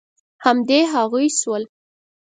همدې هغوی شول.